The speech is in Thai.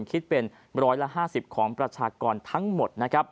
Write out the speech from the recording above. คิดเป็น๑๕๐ของประชากรทั้งหมดนะครับ